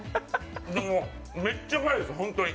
めっちゃうまいです、本当に。